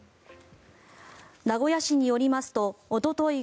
名古屋市によりますとおととい